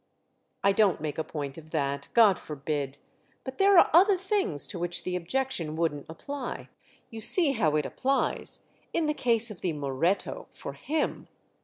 "I don't make a point of that—God forbid! But there are other things to which the objection wouldn't apply." "You see how it applies—in the case of the Moret to—for him.